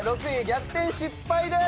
逆転失敗です！